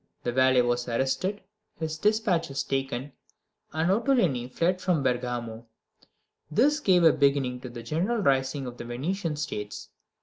The valet was arrested, his despatches taken, and Ottolini fled from Bergamo. This gave a beginning to the general rising of the Venetian States.